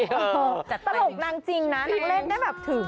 ตลกนางจริงนะนางเล่นได้แบบถึง